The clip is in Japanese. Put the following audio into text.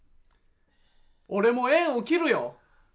俺も縁を切るよ。